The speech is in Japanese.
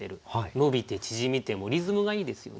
「伸びて縮みて」もリズムがいいですよね。